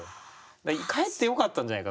だからかえってよかったんじゃないか